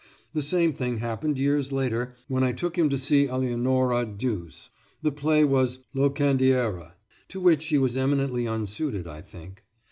The same thing happened years later when I took him to see Eleonora Duse. The play was "Locandiera," to which she was eminently unsuited, I think.